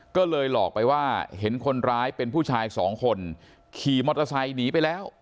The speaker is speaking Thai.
ก็เลยหลอกไปว่าเห็นคนร้ายเป็นผู้ชายสองคนขี่มอเตอร์ไซค์หนีไปแล้ว